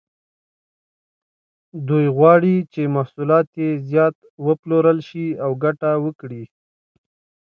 دوی غواړي چې محصولات یې زیات وپلورل شي او ګټه وکړي.